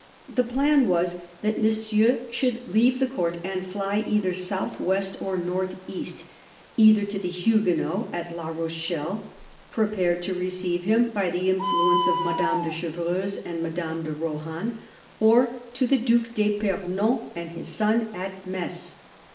The plan was that Monsieur should leave the Court and fly either south west or north east ; either to the Huguenots at La Rochelle, prepared to receive him by the influence of Madame de Chevreuse and Madame de Rohan, or to the Due d'fipernon and his son at Metz.